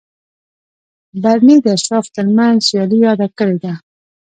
برني د اشرافو ترمنځ سیالي یاده کړې ده.